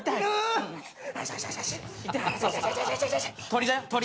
鳥だよ鳥。